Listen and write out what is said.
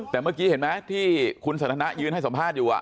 แต่เมื่อกี้เห็นไหมที่คุณสันทนายืนให้สัมภาษณ์อยู่